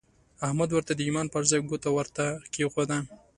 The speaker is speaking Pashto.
احمد ورته د ايمان پر ځای ګوته ورته کېښوده.